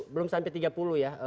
belum sampai tiga puluh ya